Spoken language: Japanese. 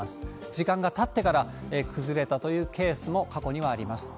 時間がたってから崩れたというケースも過去にはあります。